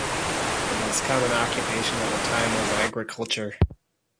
The most common occupation of the time was agriculture.